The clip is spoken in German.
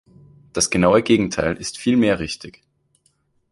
Das genaue Gegenteil ist vielmehr richtig.